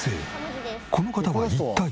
この方は一体？